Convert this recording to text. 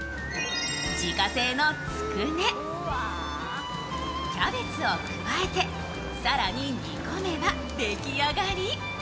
自家製のつくね、キャベツを加えて更に煮込めば出来上がり。